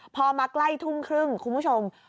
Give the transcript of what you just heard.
พอมาใกล้ทุ่มครึ่งคุณผู้ชม